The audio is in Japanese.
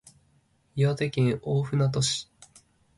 岩手県大船渡市